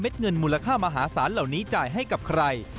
เงินมูลค่ามหาศาลเหล่านี้จ่ายให้กับใคร